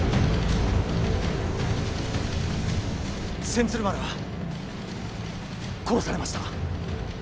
千鶴丸は殺されました。